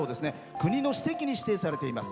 国の史跡に指定されています。